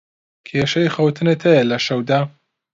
کێشەی خەوتنت هەیە لە شەودا؟